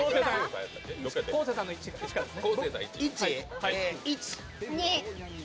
昴生さんの１からですね。